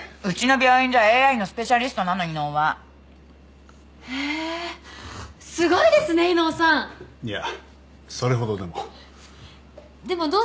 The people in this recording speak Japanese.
うちの病院じゃＡｉのスペシャリストなの威能は。へすごいですね威能さん。いやそれほどでも。